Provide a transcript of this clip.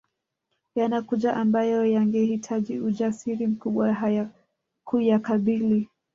Yanakuja ambayo yangehitaji ujasiri mkubwa kuyakabili